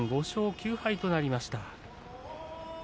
５勝９敗となりました。